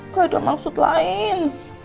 gak ada maksud lain